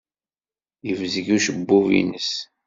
Yebzeg ucebbub-nnes.